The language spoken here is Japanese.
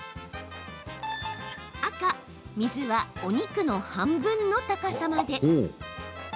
赤・水はお肉の半分の高さまで。